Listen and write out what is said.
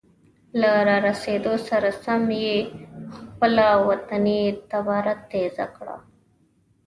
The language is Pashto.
له را رسیدو سره سم یې خپله وطني تباره تیزه کړه.